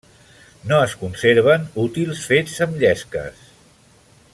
No es conserven útils fets amb llesques.